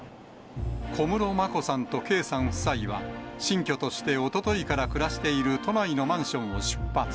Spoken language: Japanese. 小室眞子さんと圭さん夫妻は、新居としておとといから暮らしている都内のマンションを出発。